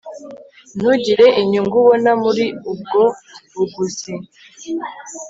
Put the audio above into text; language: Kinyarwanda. ntugire inyungu ubona muri ubwo buguzi